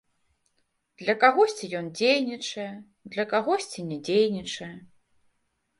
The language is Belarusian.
Для кагосьці ён дзейнічае, для кагосьці не дзейнічае.